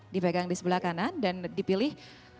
dipegang di sebelah kanan dan dipilih